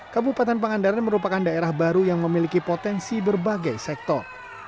kabupaten pangandaran merupakan daerah baru yang memiliki potensi berbagai sektor